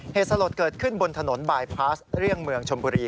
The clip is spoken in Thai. เหตุสลดเกิดขึ้นบนถนนบายพลาสเลี่ยงเมืองชมบุรี